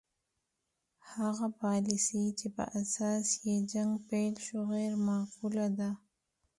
هغه پالیسي چې په اساس یې جنګ پیل شو غیر معقوله ده.